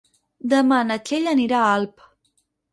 Demà na Txell anirà a Alp.